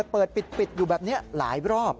เปิดปิดอยู่แบบนี้หลายรอบ